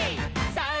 さあ